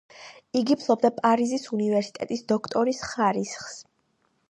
იგი ფლობდა პარიზის უნივერსიტეტის დოქტორის ხარისხს.